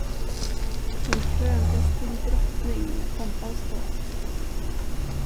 Hon kröntes till drottning med pompa och ståt.